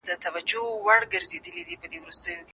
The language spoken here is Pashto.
مخکي له دې چي پلان جوړ سي دوی څیړنه کړې وه.